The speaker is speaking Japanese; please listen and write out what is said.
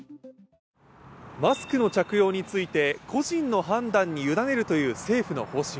マスクの着用について個人の判断に委ねるという政府の方針